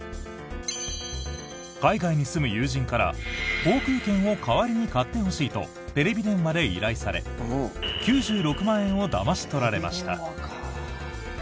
海外に住む友人から航空券を代わりに買ってほしいとテレビ電話で依頼され９６万円をだまし取られました。